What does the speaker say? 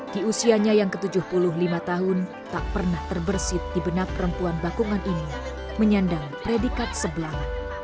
di usianya yang ke tujuh puluh lima tahun tak pernah terbersih di benak perempuan bakungan ini menyandang predikat sebelang